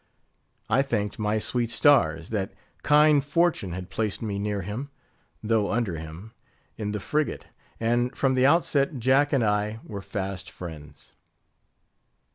I thanked my sweet stars, that kind fortune had placed me near him, though under him, in the frigate; and from the outset Jack and I were fast friends.